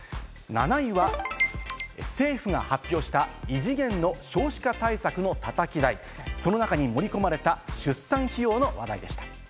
７位は政府が発表した異次元の少子化対策のたたき台、その中に盛り込まれた、出産費用の話題でした。